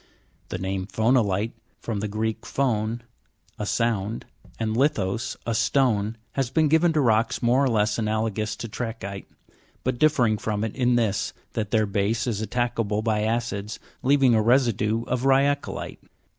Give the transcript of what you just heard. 12. The name pho'nolite (from the Greek photic, a sound, and lithos, a stone) has been given to rocks more or less analogous to tra'chyte, but differing from it in this, that their base is attackable by acids, leaving a residue of rya'colite.